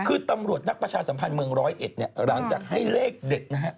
คือตำรวจนักประชาสัมพันธ์เมืองร้อยเอ็ดเนี่ยหลังจากให้เลขเด็ดนะฮะ